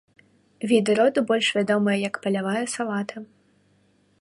Віды роду больш вядомыя як палявая салата.